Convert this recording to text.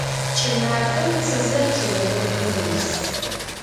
Кӏымафэм цызэр чъыг гъурбым ис.